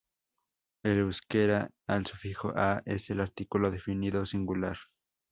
En euskera, el sufijo -"a" es el artículo definido singular.